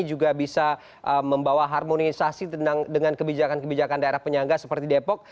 juga bisa membawa harmonisasi dengan kebijakan kebijakan daerah penyangga seperti depok